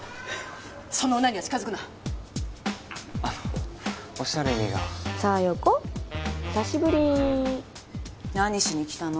その女には近づくなあのおっしゃる意味が沙世子久しぶり何しに来たの？